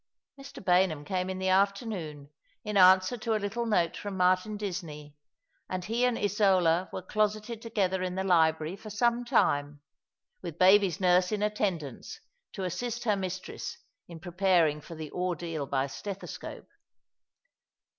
Mr. Baynham came in the afternoon, in answer to a little note from Martin Disney, and he and Isola were closeted together in the library for some time, with baby's nurse in attendance to assist her mistress in preparing for the ordeal by stethoscope.